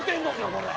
これ。